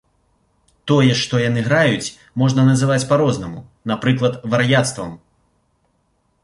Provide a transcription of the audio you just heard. Тое, што яны граюць, можна называць па-рознаму, напрыклад, вар'яцтвам.